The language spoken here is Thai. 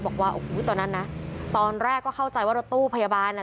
บอกว่าโอ้โหตอนนั้นนะตอนแรกก็เข้าใจว่ารถตู้พยาบาล